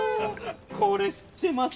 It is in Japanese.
これ知ってます。